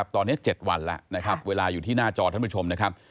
ตอนนี้๗วันและเวลาอยู่ที่หน้าจอท่านผู้ชม